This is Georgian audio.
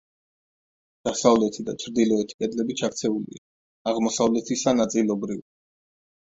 დასავლეთი და ჩრდილოეთი კედლები ჩაქცეულია, აღმოსავლეთისა ნაწილობრივ.